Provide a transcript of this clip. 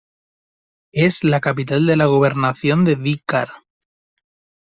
Es la capital de la gobernación de Di Car.